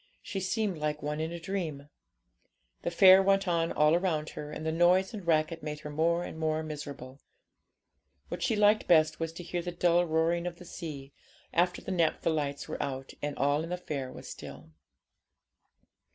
She seemed like one in a dream. The fair went on all around her, and the noise and racket made her more and more miserable. What she liked best was to hear the dull roaring of the sea, after the naphtha lights were out and all in the fair was still.